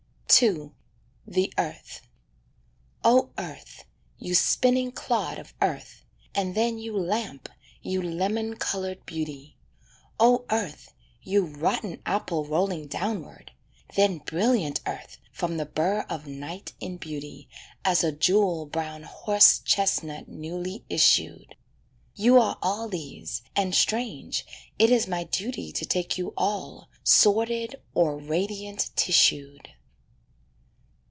II =The Earth= Oh Earth, you spinning clod of earth, And then you lamp, you lemon coloured beauty; Oh Earth, you rotten apple rolling downward, Then brilliant Earth, from the burr of night in beauty As a jewel brown horse chestnut newly issued: You are all these, and strange, it is my duty To take you all, sordid or radiant tissued.